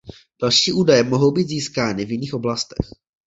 Další údaje mohou být získány v jiných oblastech.